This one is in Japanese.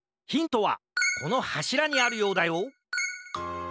ヒントはこのはしらにあるようだよ